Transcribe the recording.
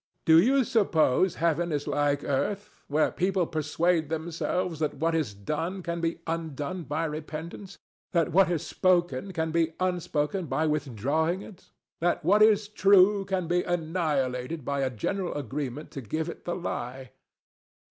Do you suppose heaven is like earth, where people persuade themselves that what is done can be undone by repentance; that what is spoken can be unspoken by withdrawing it; that what is true can be annihilated by a general agreement to give it the lie?